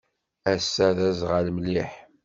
Ass-a d aẓɣal mliḥ.